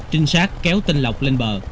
trinh sát kéo tinh lọc lên bờ